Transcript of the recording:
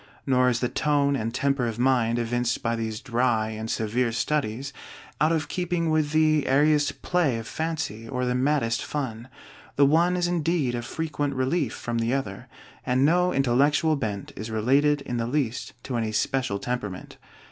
Nor is the tone and temper of mind evinced by these dry and severe studies out of keeping with the airiest play of fancy or the maddest fun. The one is indeed a frequent relief from the other, and no intellectual bent is related in the least to any special temperament.